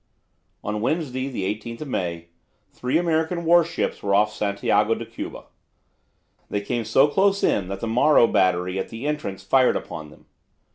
On Wednesday, 18 May, three American warships were off Santiago de Cuba. They came so close in that the Morro battery at the entrance fired upon them.